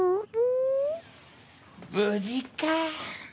無事か？